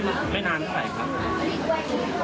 ไม่นานเท่าไหร่ครับ